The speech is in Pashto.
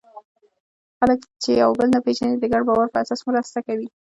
خلک چې یو بل نه پېژني، د ګډ باور په اساس مرسته کوي.